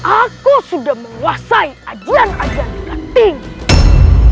aku sudah menguasai ajaran ajaran tinggi